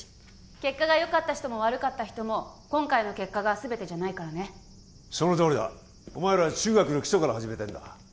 結果がよかった人も悪かった人も今回の結果が全てじゃないからねそのとおりだお前らは中学の基礎から始めてるんだ